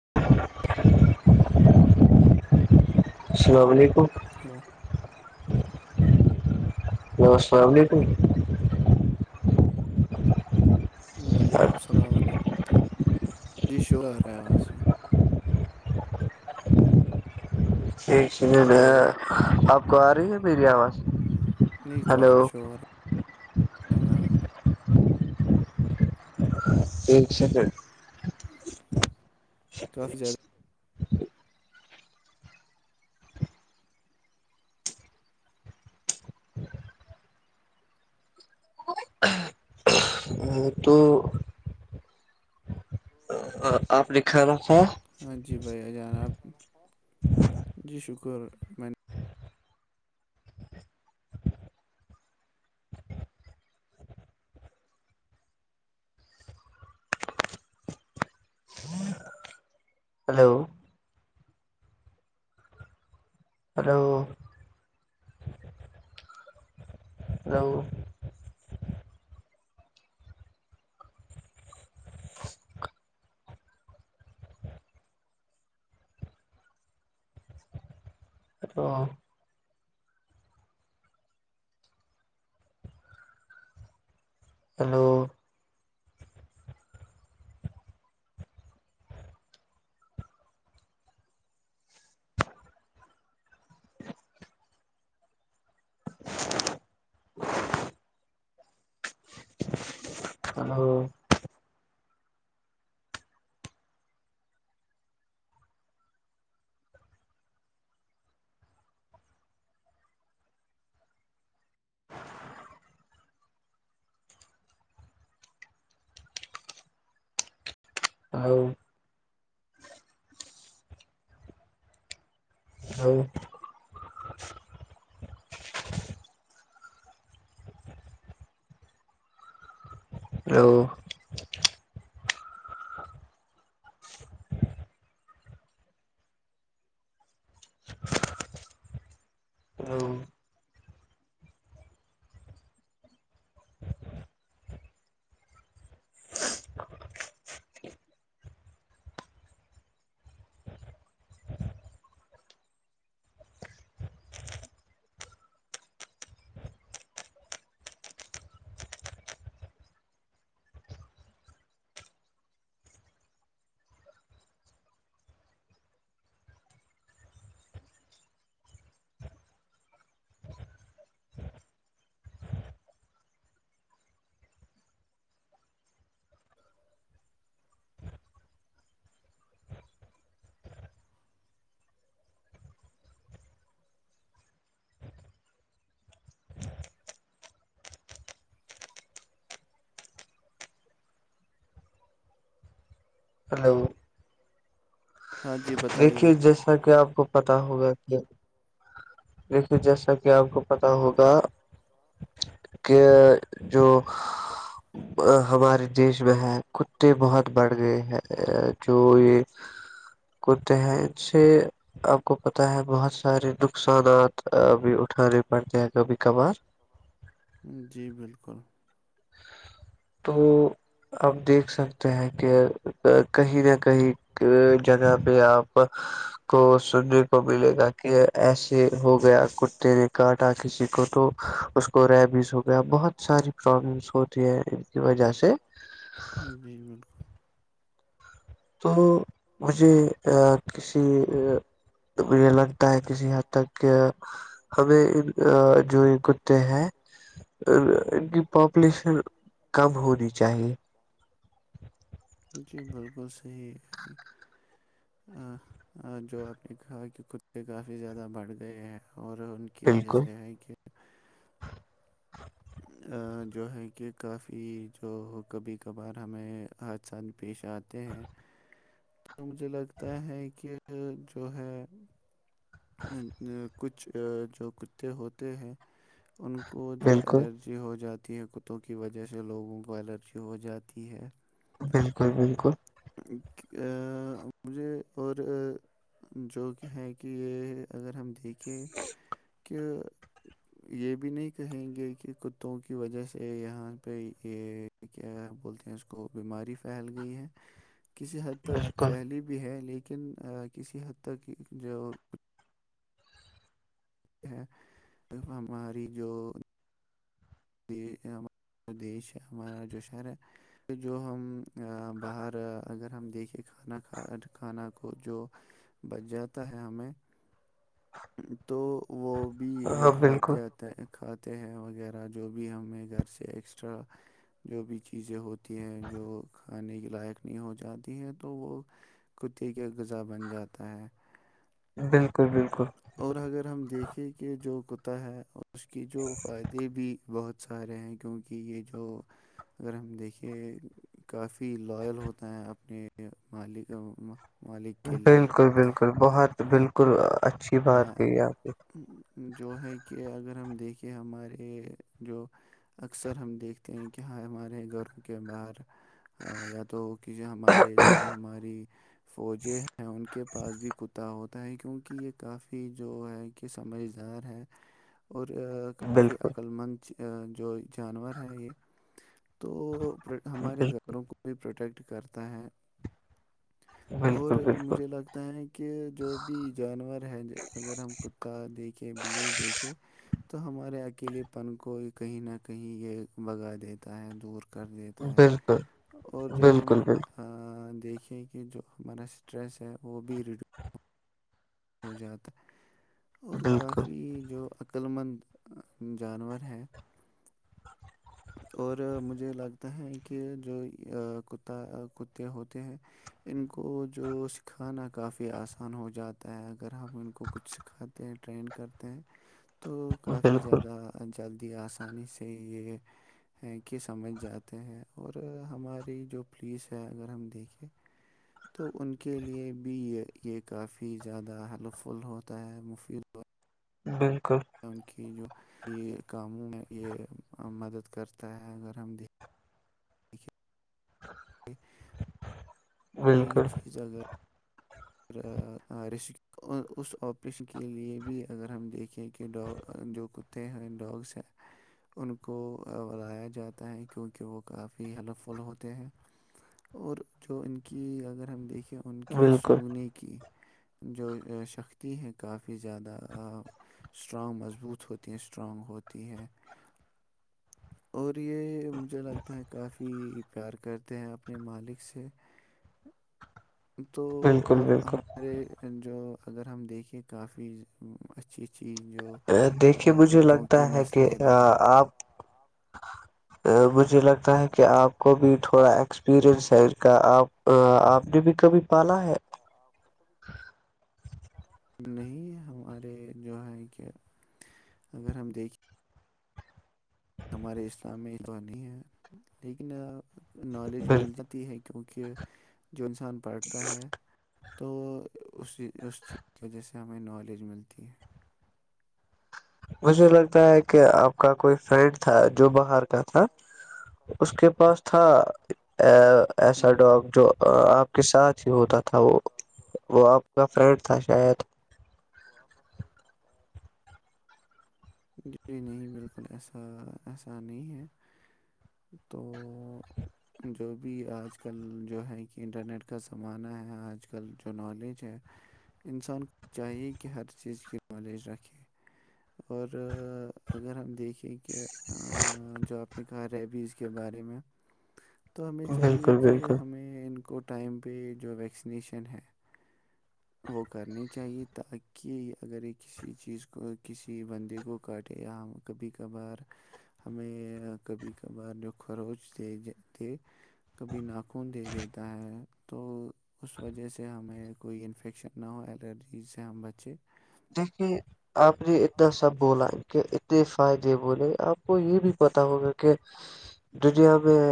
[inaudible] السلام علیکم ہلو [inaudible] وہ سو بلی ت [unintelligible] [inaudible] وعلیکم السلامم جی شکرہ رے آاز سے ایک س نہیں میں ہلو آپ کو آ رہی ہے میری آواز نہیں ہیلو کافی شور ہے وہاں ٹیک سیک [unintelligible] کافی زیادہ [inaudible] یہ تو آپ لکھ رکھو [unintelligible] ہاں جی بھائی ا جان آپ جی شکر میں نے ہلو [unintelligible] ہلو ہلو ہ [inaudible] ہلو [inaudible] ہل [unintelligible] ہ [inaudible] ہ [inaudible] ا [inaudible] تو ہلو نے ہاں جی بتائیے دیکھیے جیسا کہ آپ کو پتا ہوگا کہ دیکھیے جیسا کہ آپ کو پتہ ہوگا کہ جو [unintelligible] ہمارے دیش میں ہے کتے بہت بڑھ گئے ہیں جو یہ کو ت سے [unintelligible] آپ کو پتہ ہے بہت سارے نقصانات ابھی اٹھانے پڑتے ہیں کبھی کبھار جی بالکل تو آپ دیکھ سکتے ہیں کہ کہیں نہ کہیں جگہ پہ آپ کو سننے کو ملے گا کہ ایسے ہو گیا کتے کاٹا کسی کو تو اس کو ریبیز ہو گیا بہت ساری پرابلمس ہوتی ہیں کی با جے جی بالکل تو مجھے کسی تو مجھے لگتا ہے کسی حد تک کہ ہمیں جو یہ کتے ہیں ا ان کی پاپولیشن کم ہونی چاہیے جی بالکل صحیح ہے ہ جو آپ نے کہا کہ کتے کافی زیادہ بڑھ گئے ہیں اور ان کی وجہ بالکل سے یہ ہے کہ جو ہے کہ کافی جو کبھی کبھار ہمیں ان سان پیش آتے ہیں تو مجھے لگتا ہے کہ جو ہے کچھ جو کتے ہوتے ہیں ان کو جو الرجی بالکل الرجی ہو جاتی ہے کتوں کی وجہ سے لوگوں کو الرجی ہو جاتی ہے بالکل بالکل مجھے اور جو کہ ہے کہ یہ اگر ہم دیکھیں کہ یہ بھی نہیں کہیں گے کہ کتوں کی وجہ سے یہاں پہ یہ کیا بولتے ہیں اس کو بیماری پھیل گئی ہے کسی حد تک بالکل پھیلی بھی ہے لیکن کسی حد تک جو ہے تو ہماری جو دی دیش ہے ہمارا جو شہر ہے جو ہم باہر اگر ہم دیکھے کھانا کھا کھانا کو جو بچ جاتا ہے ہمیں تو وہ بھی وہ ہاں بالکل خادہ کھاتے ہیں وغیرہ جو بھی ہمیں گھر سے ایکسٹرا جو بھی چیزیں ہوتی ہیں جو کھانے کے لائق نہیں ہو جاتی ہیں تو وہ کتے کا غذا بن جاتا ہے بالکل بالکل اور اگر ہم دیکھیں کہ جو کتا ہے اس کے جو فائدے بھی بہت سارے ہیں کیونکہ یہ جو اگر ہم دیکھے کافی لائل ہوتا ہے اپنے مالک مالک کے لیے بالکل بالکل بہت بالکل اچھی بات ہ کہی آپ جو ہے کہ اگر ہم دیکھیں ہمارے جو اکثر ہم دیکھتے ہیں کہ ہاں ہمارے گھروں کے باہر یا تو کہ ہمارے جو ہماری فوجیں ہیں ان کے پاس بھی کتا ہوتا ہے کیونکہ یہ کافی جو ہے کہ سمجھدار ہے اور نے کافی بالکل عقل مند جو جانور ہے یہ تو ہمارے گھروں کو بھی پروٹیکٹ کرتا ہے اور بالکل بالکل مجھے لگتا ہے کہ جو بھی جانور ہے اگر ہم کتا دیکھیں بلی دیکھیں تو ہمارے اکیلے پن کو کہیں نہ کہیں یہ بگا دیتا ہے دور کر دیتا ہے بالکل اور جب ہم بالکل بالکل دیکھیں کہ جو ہمارا اسٹریس ہے وہ بھی ریڈیو ہو جاتا اور بالکل کافی جو عقل مند جانور ہیں اور مجھے لگتا ہے کہ جو کتا کتے ہوتے ہیں ان کو جو سکھانا کافی آسان ہو جاتا ہے اگر ہم ان کو کچھ سکھا ہیں ٹرینڈ کرتے ہیں تو کافی بالکل بالکل بالکل زیادہ جلدی آسانی سے یہ ہیں کہ سمجھ جاتے ہیں اور ہماری جو پلیس ہے اگر ہم دیکھیں تو ان کے لیے بھی یہ کافی زیادہ ہیلپ فل ہوتا ہے مفید ہوتا ہے بالکل ان کی جو یہ کاموں ہے یہ مدد کرتا ہے اگر ہم دیک ج [inaudible] کوئی بالکل چیز اگر اور ریسکی اس آپریشن کے لیے بھی اگر ہم دیکھیں کہ جو ک ت ہند ڈاگ سے [inaudible] ان کو بلایا جاتا ہے کیونکہ وہ کافی ہیلپ فل ہوتے ہیں اور جو ان کی اگر ہم دیکھیں ان کی بالکل سونگنے کی جو شختی ہیں کافی زیادہ اسٹرانگ مضبوط ہوتی ہیں اسٹرانگ ہوتی ہے اور یہ مجھے لگتا ہے کافی پیار کرتے ہیں اپنے مالک سے تو بالکل اور بالکل ہم ہمارے جو اگر ہم دیکھے کافی اچھی اچھی جو دیکھیے مجھے کتوں کی لگتا ہے کہ نسلیں بھی ہیں آپ مجھے لگتا ہے کہ آپ کو بھی تھوڑا ایکسپیرئنس ہے ان کا آپ ا آپ نے بھی کبھی پالا ہے نہیں ہمارے جو ہے کہ اگر ہم دیکھیں ہمارے اسلام میں تو نہیں ہے لیکن نالج مل بالکل جا ہے کیونکہ جو انسان پڑھتا ہے تو اسی اس چیز کی وجہ سے ہمیں نالج ملتی ہے مجھے لگتا ہے کہ آپ کا کوئی فرینڈ تھا جو باہر کا تھا آپ کا کوئی اس کے فری پاس تھا جو باہر کا تھا ایسا ڈاگ اس جو پاس [inaudible] آپ کے ساتھ ہی ہوتا تھا وہ وہ آپ کا فرینڈ تھا شاید آبا پرو تھاتا ج جی نہیں بالکل ایسا ایسا نہیں ہے تو جو بھی آج کل جو ہے کہ انٹرنیٹ کا زمانہ ہے آج کل جو نالج ہے انسان کو چاہیے کہ ہر چیز کی نالج رکھے اور اگر ہم دیکھیں کیونکہ جو آپ نے کہا ریبیز کے بارے میں تو ہمیں چاہیے بالکل کہ بالکل ہمیں ان کو ٹائم پہ جو ویکسینیشن ہے وہ کرنی چاہیے تاکہ اگر یہ کسی چیز کو کسی بندے کو کاٹے یا ہم کبھی کبھار ہمیں کبھی کبھار جو خروچ تھے تھے کبھی ناخن دے دیتا ہے تو اس وجہ سے ہمیں کوئی انفیکشن نہ ہو الرجی سے ہم بچے [inaudible] آپ نے اتنا سب بولا کہ اتنے فائدے بولے آپ کو یہ بھی پت ہوگا کہ دنیا میں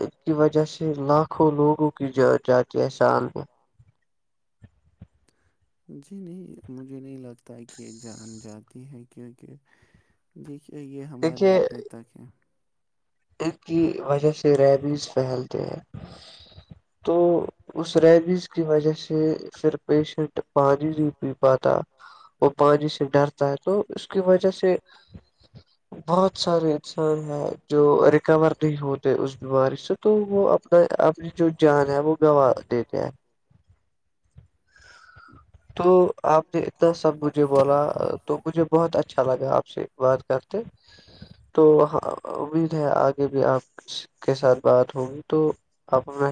ان کی وجہ سے لاکھوں لوگوں کی ج جات تو آج شام کو جی نہیں مجھے نہیں لگتا کہ یہ جان جاتی ہے کیونکہ دیکھیے یہ ہمارے اپنے تک ہیں اس کی وجہ سے ریبز پھیلتے ہیں تو اس ریبز کی وجہ سے پھر پیشنٹ پانی نہیں پی پاتا وہ پانی سے ڈرتا ہے تو اس کی وجہ سے بہت سارے ا سار ہے جو ریکور نہیں ہوتے اس سے بیماری سے وہ تو اپنا وہ اپنی اپنے جو اب جان ہے کو جان گنوا ہے وہ دیتے گوار ہیں [unintelligible] اٹھ سا [unintelligible] تو آپ نے اتنا سب مجھے مجھ بولا تو مجھے بہت اچھا لگا آپ سے بات کرتے تو امید ہے آگے بھی آپ کے ساتھ بات ہوگی تو آپ میں